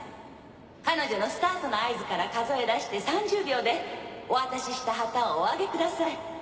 彼女のスタートの合図から数えだして３０秒でお渡しした旗をお上げください。